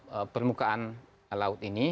kemudian permukaan laut ini